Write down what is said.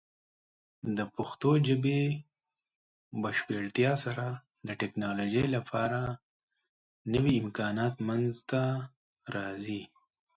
د پښتو ژبې بشپړتیا سره، د ټیکنالوجۍ لپاره نوې امکانات منځته راځي.